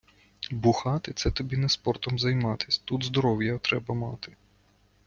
Бухати це тобі не спортом займатись, тут здоров'я треба мати